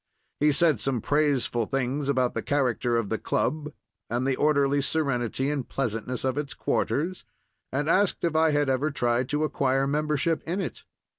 He said some praiseful things about the character of the club and the orderly serenity and pleasantness of its quarters, and asked if I had never tried to acquire membership in it.